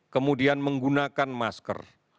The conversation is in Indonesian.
kemudian menggunakan masker